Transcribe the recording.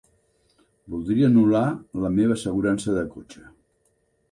Voldria anul·lar la meva assegurança de cotxe.